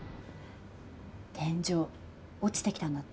天井落ちてきたんだって。